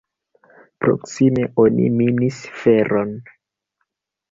Proksime oni minis feron.